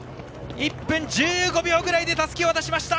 １分１５秒くらいでたすきを渡しました。